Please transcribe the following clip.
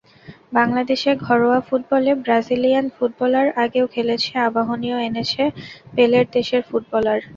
বাংলাদেশের ঘরোয়া ফুটবলে ব্রাজিলিয়ান ফুটবলার আগেও খেলেছে, আবাহনীও এনেছে পেলের দেশের ফুটবলার।